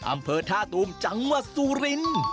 อำเภอท่าตูมจังหวัดสุรินทร์